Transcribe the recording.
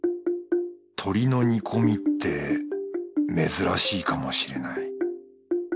鳥の煮込みって珍しいかもしれない